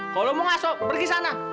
kalau mau masuk pergi sana